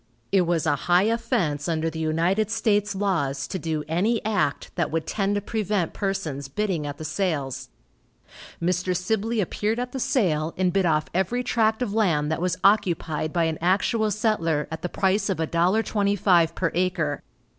It was a high offense under the United States laws to do any act that would tend to prevent persons bidding at the sales. Mr. Sibley appeared at the sale, and bid off every tract of land that was occupied by an actual settler at the price of $1.25 per acre.